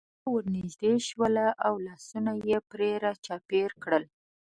جميله ورنژدې شول او لاسونه يې پرې را چاپېره کړل.